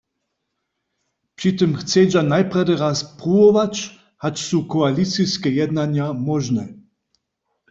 Při tym chcedźa najprjedy raz pruwować, hač su koaliciske jednanja móžne.